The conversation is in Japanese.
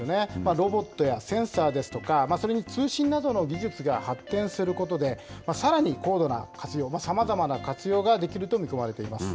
ロボットやセンサーですとか、それに通信などの技術が発展することで、さらに高度な活用、さまざまな活用ができると見込まれています。